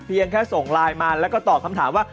แค่ส่งไลน์มาแล้วก็ตอบคำถามว่า